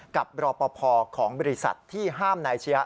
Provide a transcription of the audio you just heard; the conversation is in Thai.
กับรปภของบริษัทที่ห้ามนายอาชญะ